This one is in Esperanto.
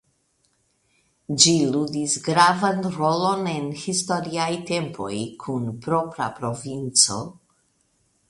Ĝi ludis gravan rolon en historiaj tempopj kun propra provinco.